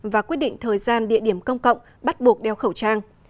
và quyết định thời gian địa điểm công cộng bắt buộc đeo khẩu trang